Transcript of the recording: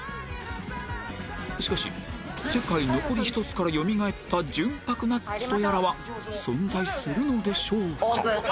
しかし世界残り１つからよみがえった純白ナッツとやらは存在するのでしょうか？